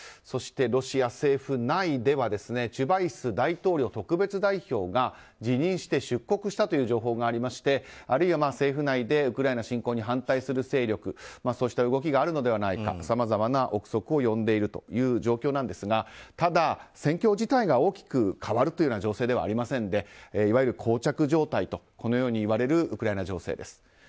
そしてロシア政府内ではチュバイス大統領特別代表が辞任して出国したという情報がありましてあるいは政府内でウクライナ侵攻に反対する勢力そうした動きがあるのではないかさまざまな憶測を呼んでいる状況なんですがただ、戦況自体が大きく変わるという情勢ではありませんでいわゆる膠着状態とこのようにいわれるウクライナ情勢です。